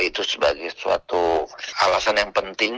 itu sebagai suatu alasan yang penting